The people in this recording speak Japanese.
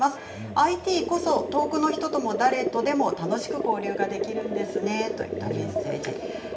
ＩＴこそ遠くの人とも誰とでも楽しく交流ができるんですねとメッセージです。